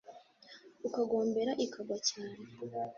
ukagombera ikagwa cyane